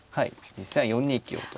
実戦は４二香と。